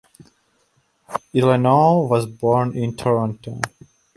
Ioannou was born in Toronto.